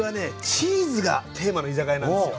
チーズがテーマの居酒屋なんですよ。